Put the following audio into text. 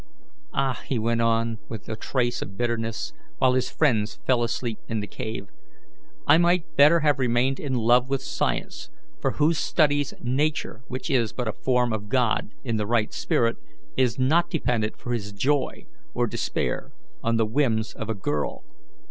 "Ah," he went on with a trace of bitterness, while his friends fell asleep in the cave, "I might better have remained in love with science; for whose studies Nature, which is but a form of God, in the right spirit, is not dependent for his joy or despair on the whims of a girl.